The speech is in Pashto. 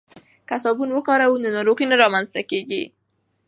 که صابون وکاروو نو ناروغۍ نه رامنځته کیږي.